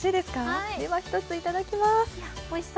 では１ついただきます。